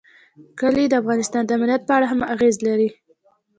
کلي د افغانستان د امنیت په اړه هم اغېز لري.